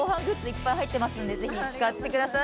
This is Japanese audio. いっぱい入っていますのでぜひ使ってください。